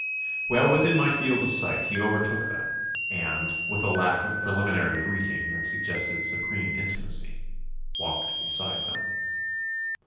Well within my field of sight he overtook them and, with a lack of preliminary greeting that suggested supreme intimacy, walked beside them.